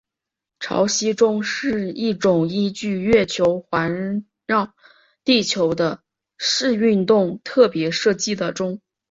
潮汐钟是一种依据月球环绕地球的视运动特别设计的钟。